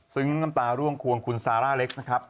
ซึ่งน้ำตาร่วงควงคุณซาร่าเล็กซ์